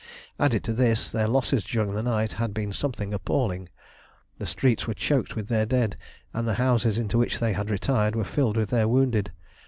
Added to this their losses during the night had been something appalling. The streets were choked with their dead, and the houses into which they had retired were filled with their wounded.